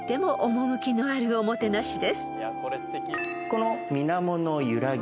この水面の揺らぎ